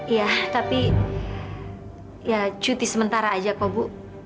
iya tapi ya cuti sementara aja kok bu